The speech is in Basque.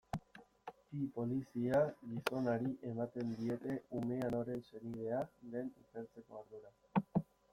Bi polizia-gizonari ematen diete umea noren senidea den ikertzeko ardura.